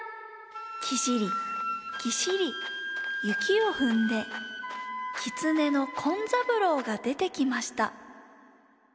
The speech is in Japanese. キシリキシリ雪をふんできつねの紺三郎がでてきました。